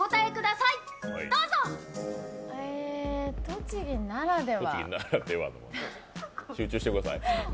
栃木ならでは集中してください。